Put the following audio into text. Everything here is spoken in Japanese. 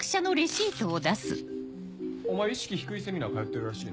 お前意識低いセミナー通ってるらしいな。